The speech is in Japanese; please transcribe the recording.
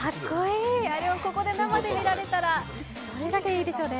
あれをここで生で見られたら、どれだけいいでしょうね。